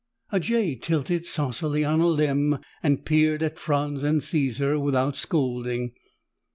A jay tilted saucily on a limb and peered at Franz and Caesar without scolding.